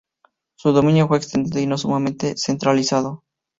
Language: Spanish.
Su dominio fue extendido y no sumamente centralizado.